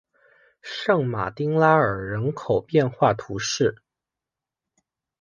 圣马丁拉尔人口变化图示